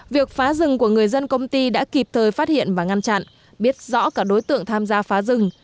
việc phá rừng của người dân công ty đã kịp thời phát hiện và ngăn chặn biết rõ cả đối tượng tham gia phá rừng